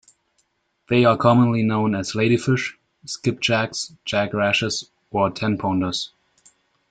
They are commonly known as ladyfish, skipjacks, jack-rashes, or tenpounders.